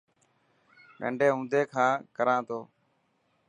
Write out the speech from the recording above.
ننڊي هوندي کان ڪران تو.